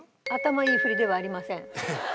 「頭いいふりではありません」。